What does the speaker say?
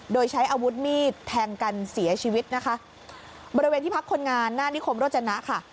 โดยใช้อาวุธมีดแทงกันเสียชีวิตนะคะบริเวณที่พักคนงานหน้านิคมโรจนะค่ะ